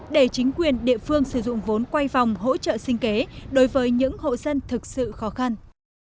để chính quyền địa phương sử dụng vốn quay vòng hỗ trợ sinh kế đối với những hộ dân thực sự khó khăn